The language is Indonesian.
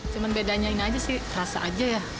cuma bedanya ini aja sih rasa aja ya